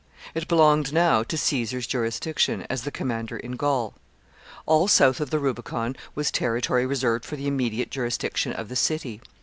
It belonged now to Caesar's jurisdiction, as the commander in Gaul. All south of the Rubicon was territory reserved for the immediate jurisdiction of the city.